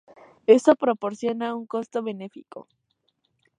Esto proporciona un costo beneficio.